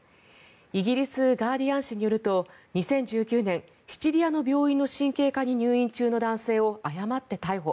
イギリスガーディアン紙によると２０１９年シチリアの病院の神経科に入院中の男性を誤って逮捕。